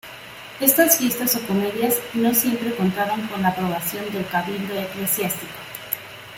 Estas fiestas o comedias no siempre contaron con la aprobación del Cabildo eclesiástico.